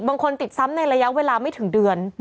ติดซ้ำในระยะเวลาไม่ถึงเดือน